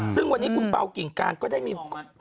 ซึ่งวันนี้คุณเปล่ากิ่งการก็ได้มี